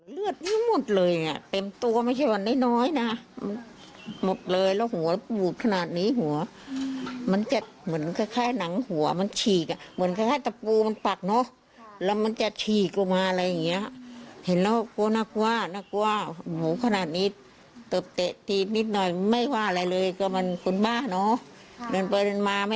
เริ่มไปเริ่มมาไม่ได้ทำอะไรให้มันเลย